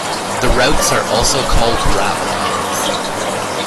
The routes are also called ratlines.